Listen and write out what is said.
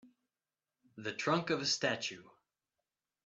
The trunk of a statue